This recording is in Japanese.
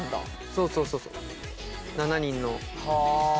そうそうそうそう７人の。